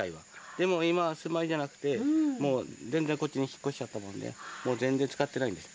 でも今、住まいじゃなくて、もう全然こっちに引っ越しちゃったので、もう全然使ってないんです。